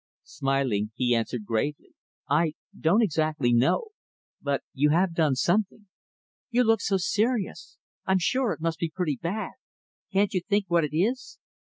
Smiling, he answered gravely, "I don't exactly know but you have done something." "You look so serious. I'm sure it must be pretty bad. Can't you think what it is?"